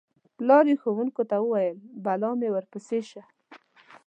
پلار یې ښوونکو ته وویل: بلا مې ورپسې شه.